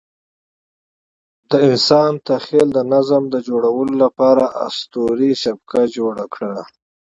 د انسان تخیل د نظم د جوړولو لپاره اسطوري شبکه جوړه کړه.